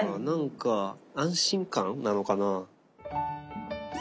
何か安心感なのかな。